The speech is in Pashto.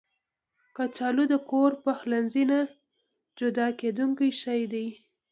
کچالو د کور پخلنځي نه جدا کېدونکی شی دی